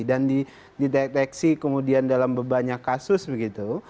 dan dideteksi kemudian dalam banyak kasus begitu